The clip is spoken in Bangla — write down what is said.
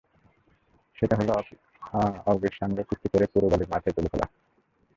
সেটা হলো অগির সঙ্গে কুস্তি করে পুরো বাড়ি মাথায় তুলে ফেলা।